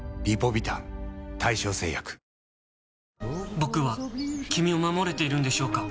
僕は君を守れているんでしょうか？